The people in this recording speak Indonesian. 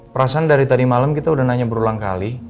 perasaan dari tadi malam kita udah nanya berulang kali